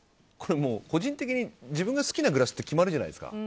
個人的に自分が好きなグラスが決まるじゃないですか。